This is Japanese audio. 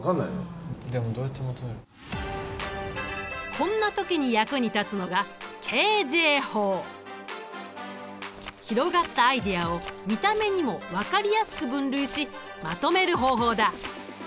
こんな時に役に立つのが広がったアイデアを見た目にも分かりやすく分類しまとめる方法だ。